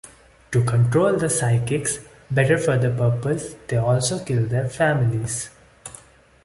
To control the psychics better for that purpose, they also kill their families.